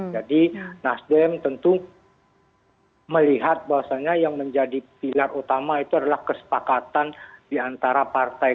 jadi nasdem tentu melihat bahwasannya yang menjadi pilar utama itu adalah kesepakatan di antara partai